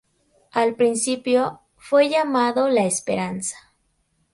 Al principio, fue llamado La Esperanza.